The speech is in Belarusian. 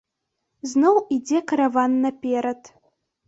Зноў ідзе караван наперад.